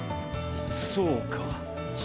そうか。